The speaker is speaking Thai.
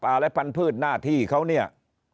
ป่าและปันพืชหน้าที่เขาเนี่ย